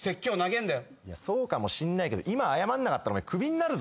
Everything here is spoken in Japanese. そうかもしんないけど今謝んなかったら首になるぞ。